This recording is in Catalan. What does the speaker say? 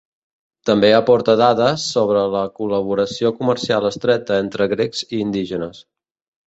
També aporta dades sobre la col·laboració comercial estreta entre grecs i indígenes.